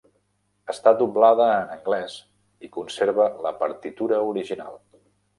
Està doblada en anglès i conserva la partitura original.